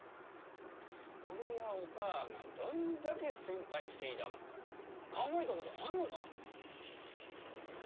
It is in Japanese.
俺やおかあがどんだけ心配していだが考えだごどあんのか？